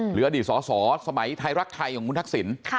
หรืออดีตสอสอสมัยไทยรักไทยของคุณทักษิณ